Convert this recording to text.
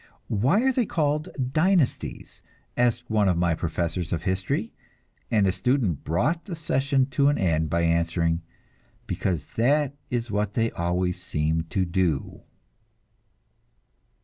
"Why are they called dynasties?" asked one of my professors of history; and a student brought the session to an end by answering: "Because that is what they always seem to do!"